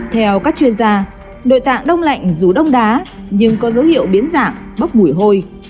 theo các chuyên gia nỗi tạng đông lạnh rất đông lá nhưng có dấu hiệu biến giảm bốc mùi hôi